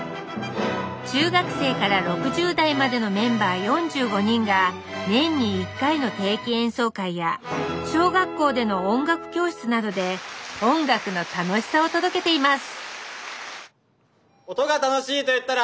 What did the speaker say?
中学生から６０代までのメンバー４５人が年に１回の定期演奏会や小学校での音楽教室などで音楽の楽しさを届けています